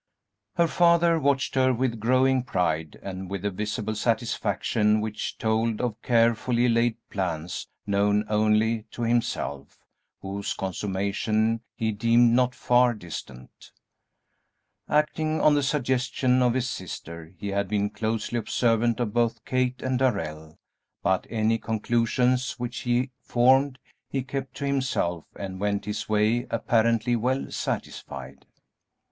Her father watched her with growing pride, and with a visible satisfaction which told of carefully laid plans known only to himself, whose consummation he deemed not far distant. Acting on the suggestion of his sister, he had been closely observant of both Kate and Darrell, but any conclusions which he formed he kept to himself and went his way apparently well satisfied.